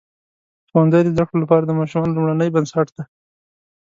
ښوونځی د زده کړو لپاره د ماشومانو لومړنۍ بنسټ دی.